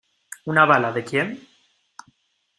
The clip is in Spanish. ¿ una bala, de quién?